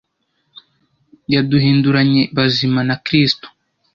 yaduhinduranye bazima na kristo